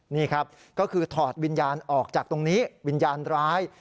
นี่ครับก็คือถอดวิญญาณออกจากตรงนี้วิญญาณร้าย